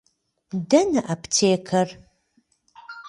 Dene aptêker?